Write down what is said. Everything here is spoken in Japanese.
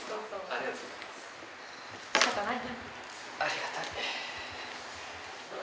ありがたい。